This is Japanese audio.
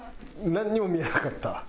なんにも見えなかった？